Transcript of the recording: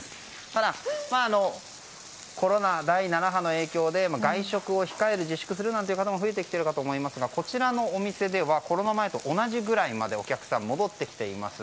ただ、コロナ第７波の影響で外食を控える自粛するなんて方も増えてきているかと思いますがこちらのお店ではコロナ前と同じくらいまでお客さんが戻ってきています。